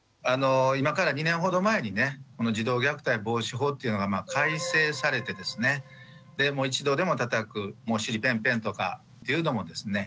今から２年ほど前にね児童虐待防止法っていうのがまあ改正されてですねで１度でもたたくお尻ぺんぺんとかっていうのもですね